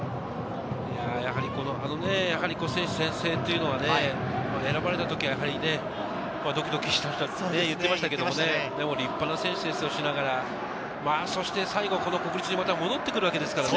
あの選手宣誓というのは、選ばれた時は、ドキドキしたと言っていましたけど、立派な選手宣誓をしながら、最後この国立に戻ってくるわけですからね。